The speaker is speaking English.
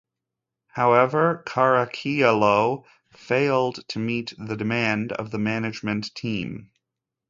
However Caracciolo failed to meet the demand of the management team.